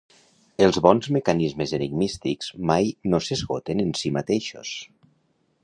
Els bons mecanismes enigmístics mai no s'esgoten en si mateixos.